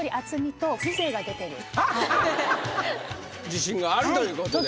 自信があるという事で。